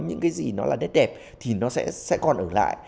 những cái gì nó là đất đẹp thì nó sẽ còn ở lại